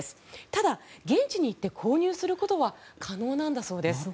ただ、現地に行って購入することは可能なんだそうです。